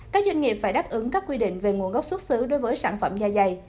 các doanh nghiệp phải đáp ứng các quy định về nguồn gốc xuất xứ đối với sản phẩm da dày